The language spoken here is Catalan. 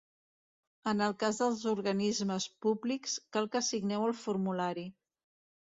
En el cas dels organismes públics, cal que signeu el formulari.